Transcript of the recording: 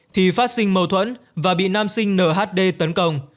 thì phát sinh mâu thuẫn và bị nam sinh nhd tấn công